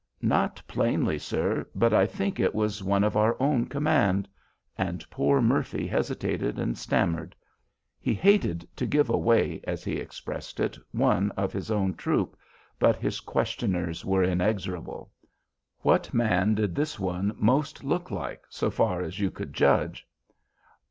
"Not plainly, sir; but I think it was one of our own command," and poor Murphy hesitated and stammered. He hated to "give away," as he expressed it, one of his own troop. But his questioners were inexorable. "What man did this one most look like, so far as you could judge?"